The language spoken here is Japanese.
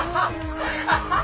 アハハハ！